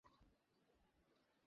আমি একজন মহিলা।